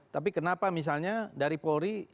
tapi kenapa misalnya dari polri